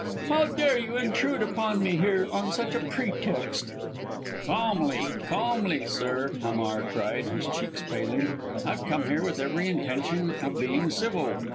"How dare you intrude upon me here on such a pretext." "Calmly, calmly, sir!" Hamar cried, his cheeks paling. "I've come here with every intention of being civil.